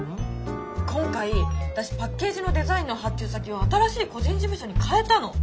今回私パッケージのデザインの発注先を新しい個人事務所に変えたの。